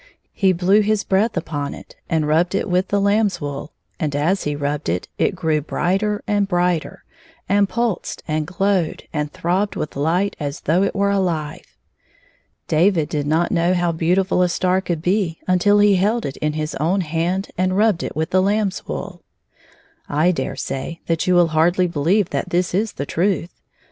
He blew his breath upon it and rubbed it with the lamb's wool, and as he rubbed it it grew brighter and brighter, and pulsed and glowed and throbbed with light as though it were alive. David did not know how beautifol a star could be until he held it in his own hand and rubbed it with lamb^s wool. I dare say that you will hardly believe that this is the truth.